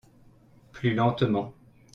Plus lentement.